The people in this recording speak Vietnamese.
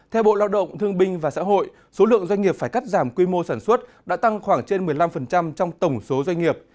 theo bộ lao động thương binh và xã hội số lượng doanh nghiệp phải cắt giảm quy mô sản xuất đã tăng khoảng trên một mươi năm trong tổng số doanh nghiệp